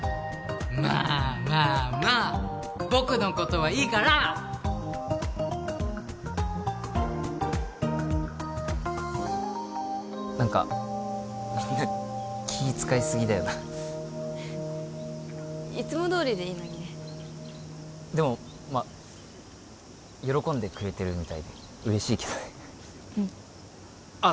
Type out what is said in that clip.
まあまあまあ僕のことはいいから何かみんな気使いすぎだよないつもどおりでいいのにねでもまあ喜んでくれてるみたいで嬉しいけどねうんああ